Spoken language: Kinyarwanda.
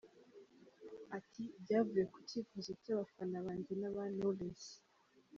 Ati, “Byavuye ku cyivuzo cy’abafana banjye n’aba Knowless.